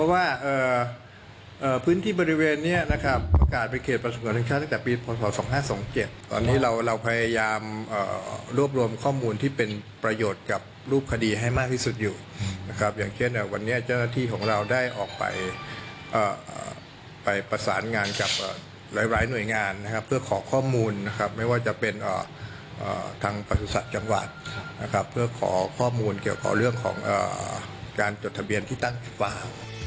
วันนี้เจ้าหน้าที่ของเราได้ออกไปไปประสานงานกับหลายหน่วยงานเพื่อขอข้อมูลไม่ว่าจะเป็นทางประสุทธิ์สัตว์จังหวัดเพื่อขอข้อมูลเกี่ยวกับเรื่องของการจดทะเบียนที่ตั้งที่ฝา